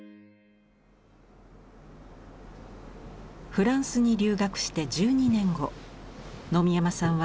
フランスに留学して１２年後野見山さんは日本へ帰国。